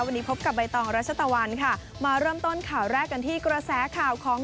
วันนี้พบกับใบตองรัชตะวันค่ะมาเริ่มต้นข่าวแรกกันที่กระแสข่าวของ